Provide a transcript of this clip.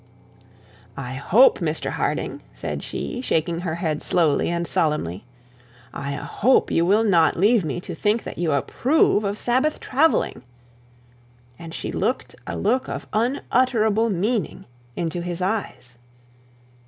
'I hope, Mr Harding,' said she, shaking her head slowly and solemnly, 'I hope you will not leave me to think that you approve of Sabbath travelling,' and she looked a look of unutterable meaning into his eyes.